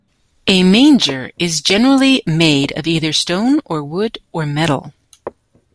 A manger is generally made of either stone or wood or metal.